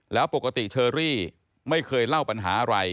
แล้วปกติเชอรี่ไม่เคยเล่าปัญหาอะไร